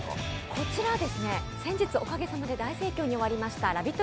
こちら先日、おかげさまで大盛況に終わりましたＬＯＶＥＩＴ！